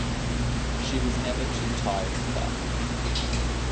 She was never too tired for that.